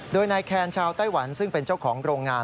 โดยนายแคนชาวไต้หวันซึ่งเป็นเจ้าของโรงงาน